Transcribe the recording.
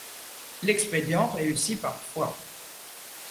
L’expédient réussit parfois...